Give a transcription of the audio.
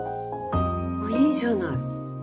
いいじゃない。